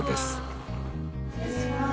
失礼します。